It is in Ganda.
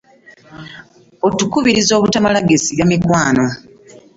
Okutukubiriza obutamala geesiga mikwano.